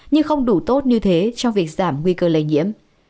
nhưng không đủ tốt như thế trong việc giảm nguy cơ lây nhiễm